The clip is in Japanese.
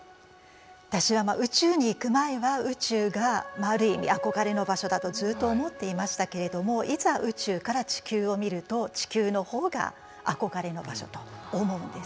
私は宇宙に行く前は宇宙がある意味憧れの場所だとずっと思っていましたけれどもいざ宇宙から地球を見ると地球のほうが憧れの場所と思うんですね。